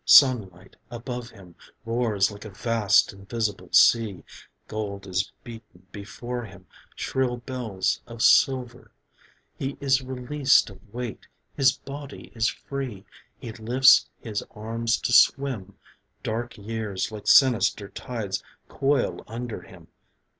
. Sunlight above him Roars like a vast invisible sea, Gold is beaten before him, shrill bells of silver; He is released of weight, his body is free, He lifts his arms to swim, Dark years like sinister tides coil under him